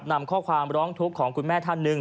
นำข้อความร้องทุกข์ของคุณแม่ท่านหนึ่ง